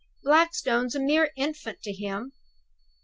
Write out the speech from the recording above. Blackstone's a mere infant to him.